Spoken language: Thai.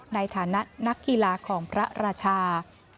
ในฐานะนักกีฬาของพระราชา